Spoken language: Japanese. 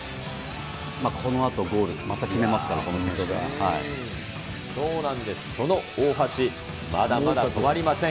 このあとゴール、また決めますかそうなんです、その大橋、まだまだ止まりません。